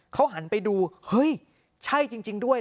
เขาหันไปดูเฮ้ยใช่จริงด้วย